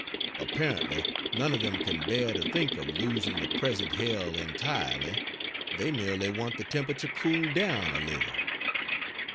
Apparently none of them can bear to think of losing the present hell entirely, they merely want the temperature cooled down a little.